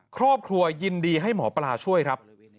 ครอบครัวยินดีให้หมอปลาช่วยครับ